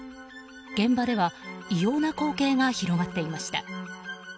現場では異様な光景が広がっていました。